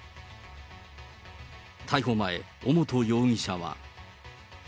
逮捕前、尾本容疑者は。